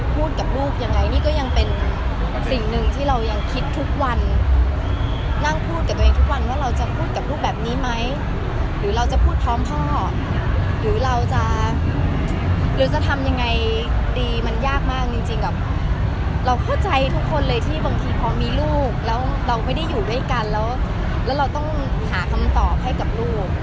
พูดกับลูกยังไงนี่ก็ยังเป็นสิ่งหนึ่งที่เรายังคิดทุกวันนั่งพูดกับตัวเองทุกวันว่าเราจะพูดกับลูกแบบนี้ไหมหรือเราจะพูดพร้อมพ่อหรือเราจะหรือจะทำยังไงดีมันยากมากจริงกับเราเข้าใจทุกคนเลยที่บางทีพอมีลูกแล้วเราไม่ได้อยู่ด้วยกันแล้วแล้วเราต้องหาคำตอบให้กับลูก